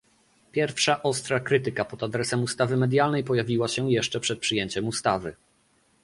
Pierwsza ostra krytyka pod adresem ustawy medialnej pojawiła się jeszcze przed przyjęciem ustawy